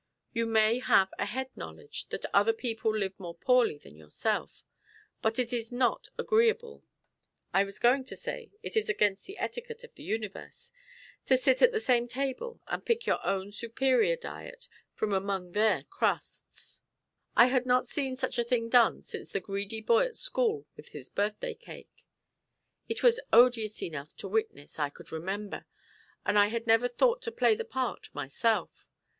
You may have a head knowledge that other people live more poorly than yourself, but it is not agreeable—I was going to say, it is against the etiquette of the universe—to sit at the same table and pick your own superior diet from among their crusts. I had not seen such a thing done since the greedy boy at school with his birthday cake. It was odious enough to witness, I could remember; and I had never thought to play the part myself.